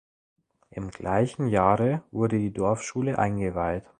Im gleichen Jahre wurde die Dorfschule eingeweiht.